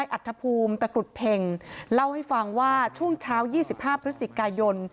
อัธภูมิตะกรุดเพ็งเล่าให้ฟังว่าช่วงเช้า๒๕พฤศจิกายน